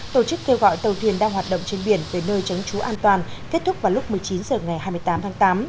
tổ chức kêu gọi tàu thuyền đang hoạt động trên biển về nơi tránh trú an toàn kết thúc vào lúc một mươi chín h ngày hai mươi tám tháng tám